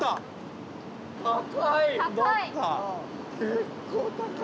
結構高い。